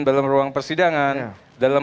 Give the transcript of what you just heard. dalam ruang persidangan dalam